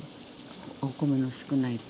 お米の少ない時